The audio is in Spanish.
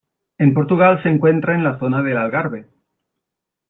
En Portugal se encuentra en la zona del Algarve.